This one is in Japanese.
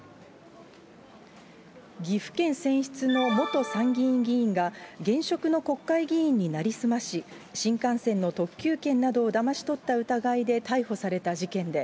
岐阜県選出の元参議院議員が、現職の国会議員に成り済まし、新幹線の特急券などをだまし取った疑いで逮捕された事件で、